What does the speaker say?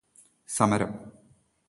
സമരം.